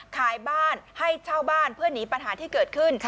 ขายบ้านให้เช่าบ้านเพื่อหนีปัญหาที่เกิดขึ้น